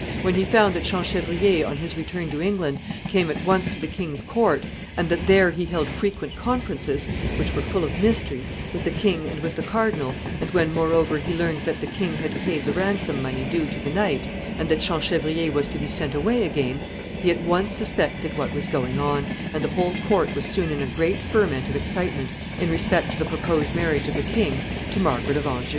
When he found that Champchevrier, on his return to England, came at once to the king's court, and that there he held frequent conferences, which were full of mystery, with the king and with the cardinal, and when, moreover, he learned that the king had paid the ransom money due to the knight, and that Champchevrier was to be sent away again, he at once suspected what was going on, and the whole court was soon in a great ferment of excitement in respect to the proposed marriage of the king to Margaret of Anjou.